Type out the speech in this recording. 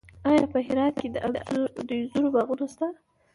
آیا په هرات کې د انځرو باغونه شته؟